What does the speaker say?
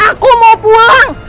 aku mau pulang